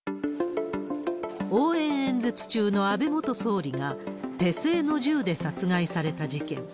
応援演説中の安倍元総理が手製の銃で殺害された事件。